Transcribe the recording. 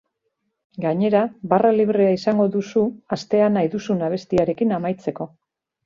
Gainera, barra librea izango duzu, astea nahi duzun abestiarekin amaitzeko.